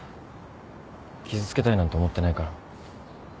傷つけたいなんて思ってないから。